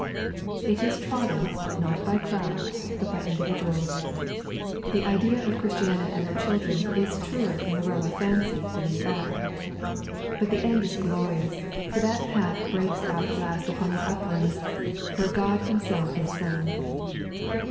It is trodden, not by crowds, but by individuals. The idea of Christiana and her children is truer in the realm of fancy than in fact. But the end is glorious, for that path breaks out at last upon the uplands, " where Ood Himself is Sun."